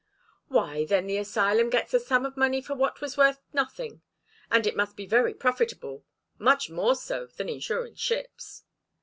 "Why, then the asylum gets a sum of money for what was worth nothing, and it must be very profitable much more so than insuring ships."